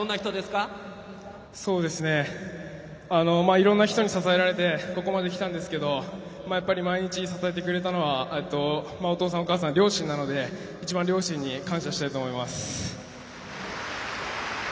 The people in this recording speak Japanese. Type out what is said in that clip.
いろんな人に支えられてここまで来たんですけどやっぱり毎日支えてくれたのはお父さんお母さん両親なので一番両親に感謝したいと思います。